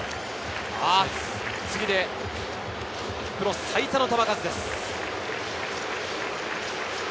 次でプロ最多の球数です。